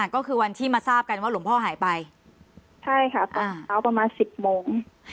ก็คือวันที่มาทราบกันว่าหลวงพ่อหายไปใช่ค่ะตอนเช้าประมาณ๑๐โมง